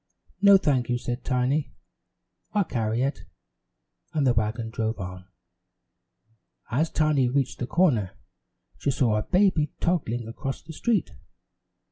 "No, thank you," said Tiny, "I'll carry it," and the wagon drove on. As Tiny reached the corner, she saw a baby toddling across the street.